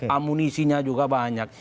amunisinya juga banyak